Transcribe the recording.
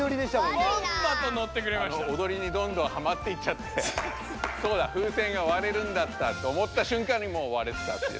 おどりにどんどんはまっていっちゃってそうだ風船が割れるんだったと思った瞬間にもう割れてたっていう。